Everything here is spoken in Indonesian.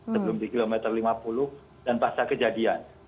sebelum di kilometer lima puluh dan pasca kejadian